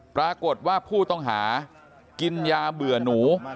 ปรากฏว่าผู้ต้องหากินยาเบื่อหนู